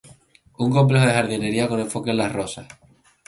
Un complejo de jardinería con enfoque en las rosas.